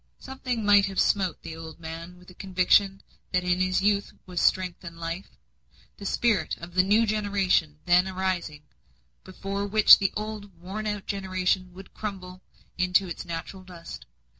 Something might have smote the old man with a conviction, that in this youth was strength and life, the spirit of the new generation then arising, before which the old worn out generation would crumble into its natural dust.